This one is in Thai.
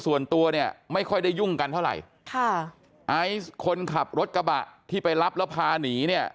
ส่วนตัวเนี่ยไม่ค่อยได้ยุ่งกันเท่าไหร่ค่ะไอซ์คนขับรถกระบะที่ไปรับแล้วพาหนีเนี่ย